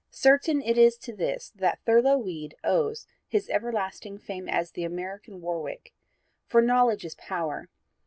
Certain it is to this that Thurlow Weed owes his everlasting fame as the 'American Warwick'; for knowledge is power.